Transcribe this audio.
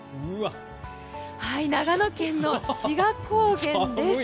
長野県の志賀高原です。